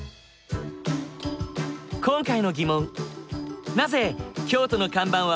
今回の疑問。